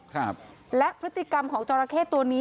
ครับและพฤติกรรมของจราเข้ตัวนี้